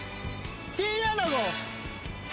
チンアナゴ。